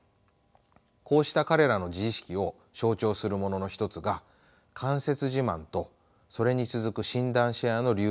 こうした彼らの自意識を象徴するものの一つが間接自慢とそれに続く診断シェアの流行ではないでしょうか。